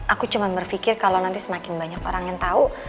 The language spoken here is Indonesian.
aku cuma berpikir kalau nanti semakin banyak orang yang tahu